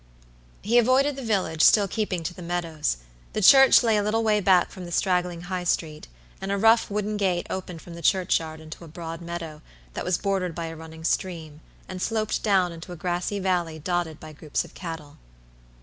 He avoided the village, still keeping to the meadows. The church lay a little way back from the straggling High street, and a rough wooden gate opened from the churchyard into a broad meadow, that was bordered by a running stream, and sloped down into a grassy valley dotted by groups of cattle.